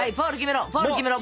フォール決めろ！